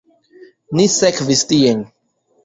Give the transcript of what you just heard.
Ni sekvis tien.